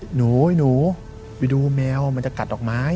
หนูไปดูแมวมันจะกัดดอกไม้